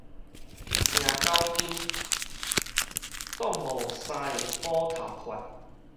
程咬金，擋無三下斧頭法